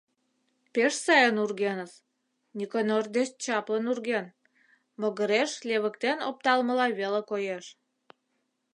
— Пеш сайын ургеныс, Никонор деч чаплын урген, могыреш левыктен опталмыла веле коеш.